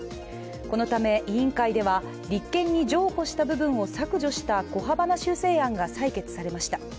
このため委員会では、立憲に譲歩した部分を削除した小幅な修正案が採決されました。